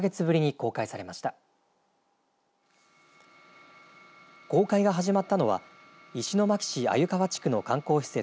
公開が始まったのは石巻市鮎川地区の観光施設